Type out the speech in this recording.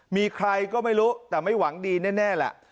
มีใครก็ไม่รู้แต่ไม่หวังดีแน่แหละ